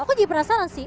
aku jadi penasaran sih